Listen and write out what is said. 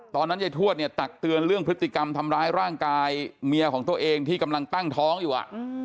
ตอนนั้นยายทวดเนี่ยตักเตือนเรื่องพฤติกรรมทำร้ายร่างกายเมียของตัวเองที่กำลังตั้งท้องอยู่อ่ะ